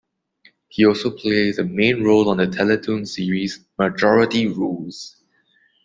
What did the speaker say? He also plays a main role on the Teletoon series "Majority Rules!".